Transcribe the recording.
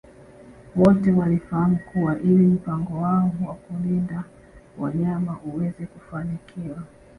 Wote walifahamu kuwa ili mpango wao wa kulinda wanyama uweze kufanikiwa